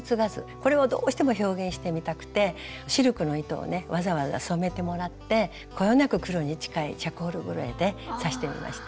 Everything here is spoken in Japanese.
これをどうしても表現してみたくてシルクの糸をねわざわざ染めてもらってこよなく黒に近いチャコールグレーで刺してみました。